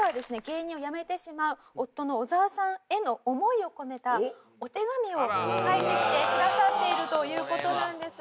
芸人を辞めてしまう夫の小澤さんへの思いを込めたお手紙を書いてきてくださっているという事なんです。